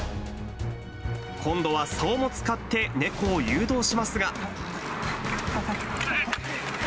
今度はさおも使って猫を誘導しますが。